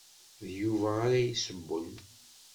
D Yuba ara yessewwen.